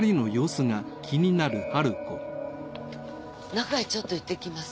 中へちょっと行ってきます。